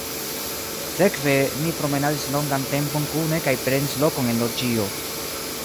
Sekve ni promenadis longan tempon kune kaj prenis lokon en loĝio.